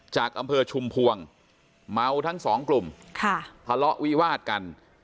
จากอำเภอชุมพวงเมาทั้งสองกลุ่มทะเลาะวิวาดกัน